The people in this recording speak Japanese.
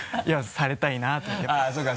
されたいなと思ってやっぱ。